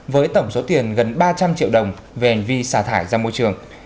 với tổng số tiền gần ba trăm linh triệu đồng về hành vi xả thải ra môi trường